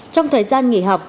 trong thời gian nghỉ học